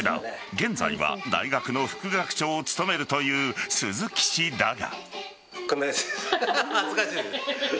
現在は大学の副学長を務めるという鈴木氏だが。